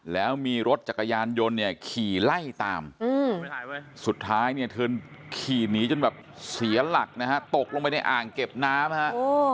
แล้วมีรถจักรยานยนต์เนี่ยขี่ไล่ตามสุดท้ายเนี่ยเธอขี่หนีจนแบบเสียหลักนะฮะตกลงไปในอ่างเก็บน้ำฮะ